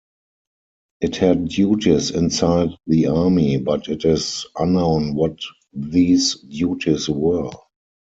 It had duties inside the army, but it is unknown what these duties were.